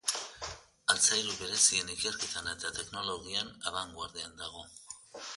Altzairu berezien ikerketan eta teknologian abangoardian dago.